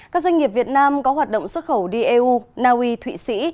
các doanh nghiệp việt nam có hoạt động xuất khẩu đi eu naui thụy sĩ